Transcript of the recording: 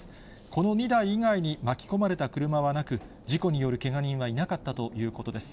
この２台以外に巻き込まれた車はなく、事故によるけが人はいなかったということです。